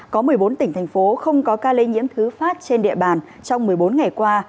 có một mươi bốn tỉnh thành phố không có ca lây nhiễm thứ phát trên địa bàn trong một mươi bốn ngày qua